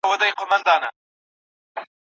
بوډا کیسې په دې قلا کي د وختونو کوي